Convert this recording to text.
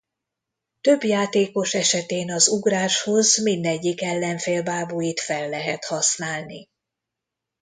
Több játékos esetén az ugráshoz mindegyik ellenfél bábuit fel lehet használni.